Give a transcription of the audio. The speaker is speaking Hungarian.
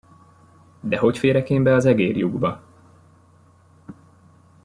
De hogy férek én be az egérlyukba?